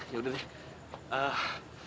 ya udah deh